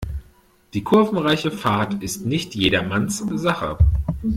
Die kurvenreiche Fahrt ist nicht jedermanns Sache.